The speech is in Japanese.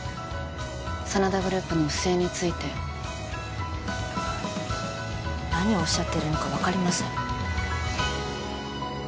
真田グループの不正について何をおっしゃってるのか分かりません